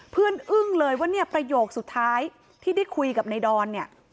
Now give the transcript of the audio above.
เพื่อนอึ้งเลยว่าประโยคสุดท้ายที่ได้คุยกับนายดอน